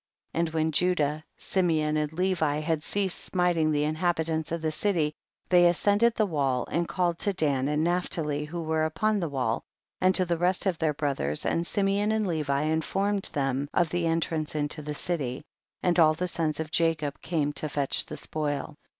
17. And when Judah, Simeon and Levi, had ceased smiting the iidiabi tants of the city, they ascended the wall and called to Dan and Naphtali, who were upon the wall, and to the rest of their brothers, and Simeon and Levi informed them of the entrance into the city, and all the sons of Ja cob came to fetch the spoil.